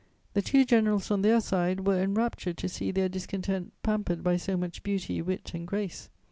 The two generals, on their side, were enraptured to see their discontent pampered by so much beauty, wit and grace.